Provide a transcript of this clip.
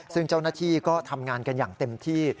ซึ่งเจ้าหน้าที่ก็ทำงานกันอย่างเต็มที่